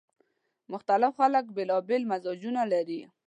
مختلف خلک بیلابېل مزاجونه لري